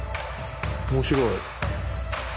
面白い。